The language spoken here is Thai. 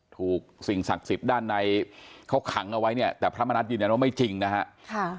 ถูกสิ่งศักดิ์สิทธิ์ด้านในเขาขังเอาไว้เนี่ยแต่พระมณัฐยืนยันว่าไม่จริงนะฮะ